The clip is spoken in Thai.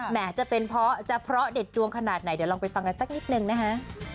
แม้จะเพราะเด็ดดวงขนาดไหนเดี๋ยวลองไปฟังกันสักนิดนึงนะฮะ